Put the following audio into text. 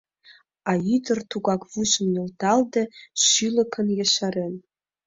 А ӱдыр, тугак вуйжым нӧлталде, шӱлыкын ешарен: